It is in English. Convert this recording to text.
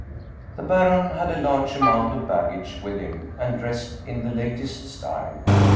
The Baron had a large amount of baggage with him and dressed in the latest style.